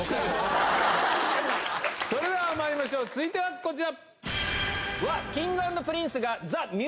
それではまいりましょう続いてはこちら！